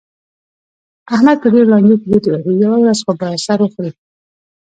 احمد په ډېرو لانجو کې ګوتې وهي، یوه ورځ خو به سر وخوري.